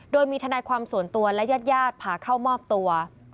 โดยมีทนายความส่วนตัวและญาติญาติพาเข้ามอบตัว